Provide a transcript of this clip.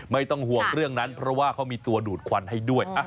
ไม่ต้องห่วงเรื่องนั้นเพราะว่าเขามีตัวดูดควันให้ด้วย